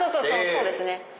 そうですね！